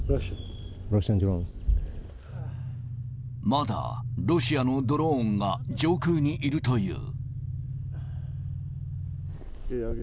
まだロシアのドローンが上空にいるという。